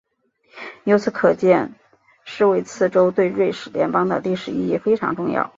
由此可见施维茨州对瑞士邦联的历史意义非常重要。